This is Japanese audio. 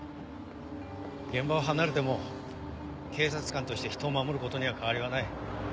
現場を離れても警察官として人を守ることには変わりはない。